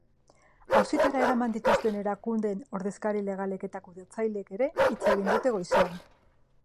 Auzitara eraman dituzten erakundeen ordezkari legalek eta kudeatzaileek ere hitz egingo dute goizean.